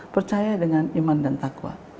percaya dengan iman dan takwa